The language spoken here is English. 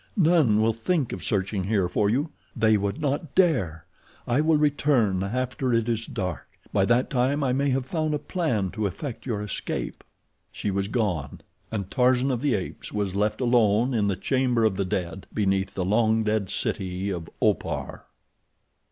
"None will think of searching here for you—they would not dare. I will return after it is dark. By that time I may have found a plan to effect your escape." She was gone, and Tarzan of the Apes was left alone in the Chamber of the Dead, beneath the long dead city of Opar.